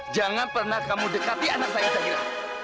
jangan pernah kamu dekati anak saya hilang